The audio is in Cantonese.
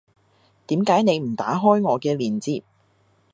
點解你唔打開我嘅鏈接